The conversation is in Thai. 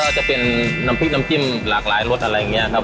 ก็จะเป็นน้ำพริกน้ำจิ้มหลากหลายรสอะไรอย่างนี้ครับ